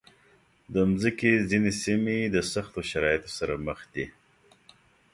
د مځکې ځینې سیمې د سختو شرایطو سره مخ دي.